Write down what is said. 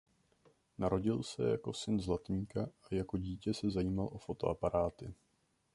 Narodil se jako syn zlatníka a jako dítě se zajímal o fotoaparáty.